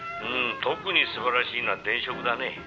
「特に素晴らしいのは電飾だね」